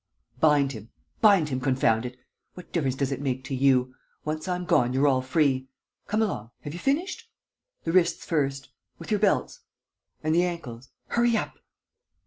"Bind him! ... Bind him, confound it! ... What difference does it make to you? ... Once I'm gone, you're all free. ... Come along, have you finished? The wrists first ... with your belts. ... And the ankles. ... Hurry up!